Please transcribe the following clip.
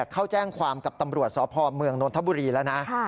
เขาแจ้งความกับตำรวจสพเมืองนนทบุรีแล้วนะ